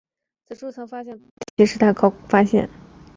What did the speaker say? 此处曾发现许多铁器时代的考古发现。